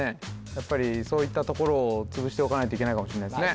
やっぱりそういったところを潰しておかないといけないかもしれないですね